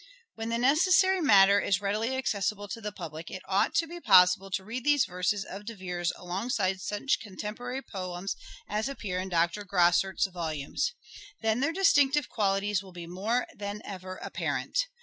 When the necessary matter is readily accessible to the public it ought to be possible to read these verses of De Vere's alongside such contemporary poems as appear in Dr. Grosart's volumes. Then their distinctive qualities will be more than ever apparent.